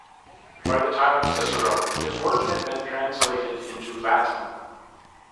By the time of Cicero his work had been translated into Latin.